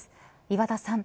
岩田さん。